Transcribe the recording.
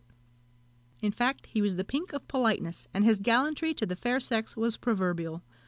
In fact, he was the pink of politeness, and his gallantry to the fair sex was proverbial.